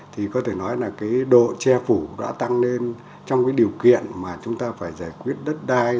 thì có thể nói là cái độ che phủ đã tăng lên trong cái điều kiện mà chúng ta phải giải quyết đất đai